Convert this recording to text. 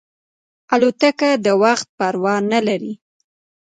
الوتکه د وخت پروا نه لري.